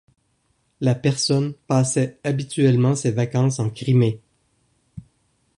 La personne passait habituellement ses vacances en Crimée.